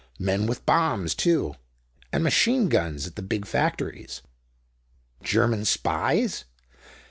Men with bombs, too. And machine guns at the big factories." "German spies?"